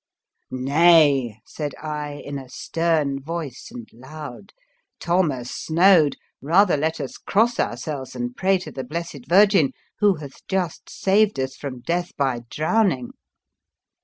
" Nay," said I, in a stern voice and loud, u Thomas Snoad, rather let us cross ourselves and pray to the Blessed Virgin, who hath just saved us from death by drowning!